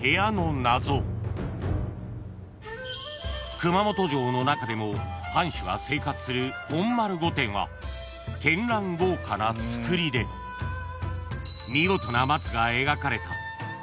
［熊本城の中でも藩主が生活する本丸御殿は絢爛豪華なつくりで見事な松が描かれた］